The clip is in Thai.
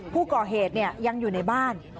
ผู้ก่อเหตุยังอยู่ในบ้าน